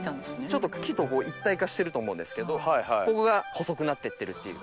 ちょっと茎と一体化してると思うんですけどここが細くなってってるっていう。